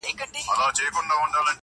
o زه ستړی، ته ناراضه٫